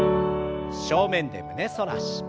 正面で胸反らし。